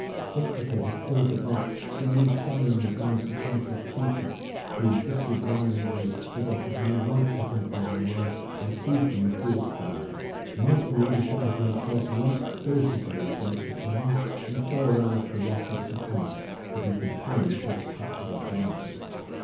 Just as they had killed the buck the youths fell in with one of Sir Thomas's keepers, who insisted violently that they had no right to hunt where they were and accused them of deer stealing. Master Will defended himself right spiritedly against the charge and so aroused the wrath of Sir Thomas that he com plained to the Stratford authorities.